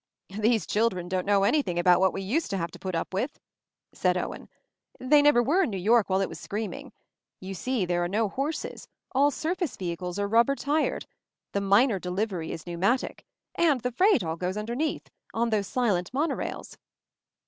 "These children don't know anything about what we used to have to put up with," said Owen. "They never were in New York while it was screaming. You see, there are no horses; all surface vehicles are rubber tired; the minor delivery is pneumatic, and 66 MOVING THE MOUNTAIN the freight all goes underneath — on those silent monorails."